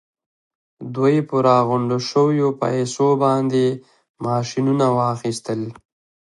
دوی په راغونډو شويو پیسو باندې ماشينونه واخيستل.